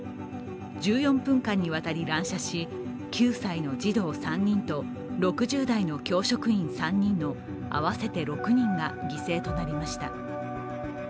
１４分間にわたり乱射し、９歳の児童３人と６０代の教職員３人の合わせて６人が犠牲となりました。